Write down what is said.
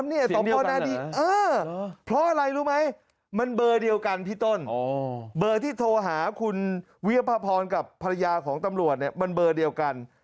เมื่อที่โทรหาคุณเวียบภพรกับภรรยาของตำรวจเนี่ยมันเบอร์เดียวกัน